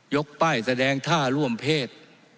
ป้ายแสดงท่าร่วมเพศ